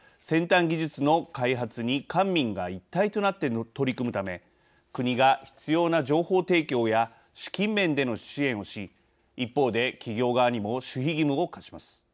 先端技術の開発に官民が一体となって取り組むため国が必要な情報提供や資金面での支援をし一方で企業側にも守秘義務を課します。